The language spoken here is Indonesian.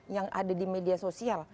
yang ada di media sosial